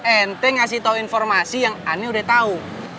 ente ngasih tau informasi yang ane udah tau